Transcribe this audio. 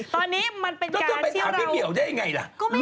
ตอนนี้มันเป็นการที่เราก็ไปถามพี่เปีย๋วได้ไงล่ะ